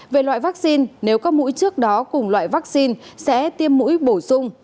về loại vaccine nếu các mũi trước đó cùng loại vaccine sẽ tiêm mũi bổ sung